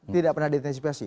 tidak pernah diantisipasi